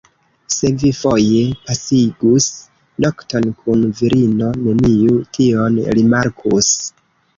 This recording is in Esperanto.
Se vi foje pasigus nokton kun virino, neniu tion rimarkus.